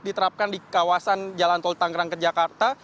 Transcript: diterapkan di kawasan jalan tol tangerang ke jakarta